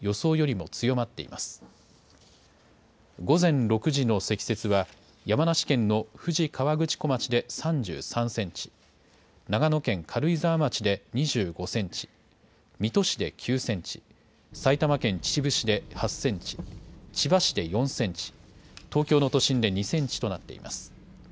午前６時の積雪は山梨県の富士河口湖町で３３センチ、長野県軽井沢町で２５センチ、水戸市で９センチ、埼玉県秩父市で８センチ、千葉市で４センチ、東京の都心で２センチとなっています。